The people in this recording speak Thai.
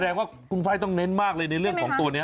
แสดงว่ากุญฟัยต้องเน้นมากเลยในของตัวเนี่ย